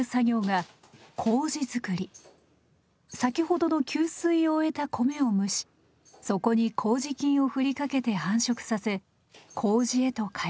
先ほどの吸水を終えた米を蒸しそこに麹菌をふりかけて繁殖させ麹へと変えていきます。